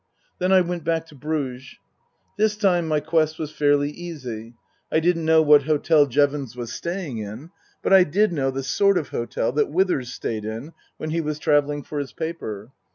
Then I went back to Bruges. This time my quest was fairly easy. I didn't know what hotel Jevons was staying in ; but I did know the sort of hotel that Withers stayed in when he was travelling for his paper.